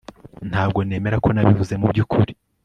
Ntabwo nemera ko nabivuze mubyukuri